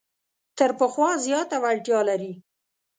تر پخوا زیاته وړتیا لري.